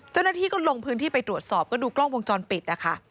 เจ้าหน้าที่ก็ลงพื้นที่ไปตรวจสอบก็ดูกล้องวงจรปิดนะคะ